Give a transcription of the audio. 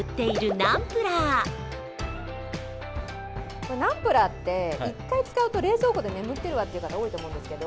ナンプラーって一回使うと冷蔵庫で眠っているわという方、多いと思うんですけど。